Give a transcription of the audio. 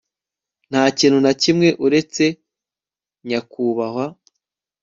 Ntakintu nakimwe uretse nyakubahwa